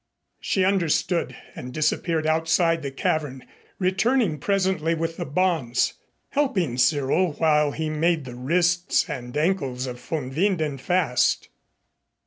She understood and disappeared outside the cavern, returning presently with the bonds, helping Cyril while he made the wrists and ankles of von Winden fast.